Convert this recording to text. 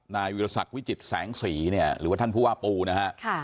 นายวิทยาศักดิ์วิจิตรแสงสีหรือว่าท่านผู้ว่าปูนะครับ